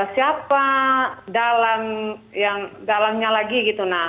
siapa dalamnya lagi gitu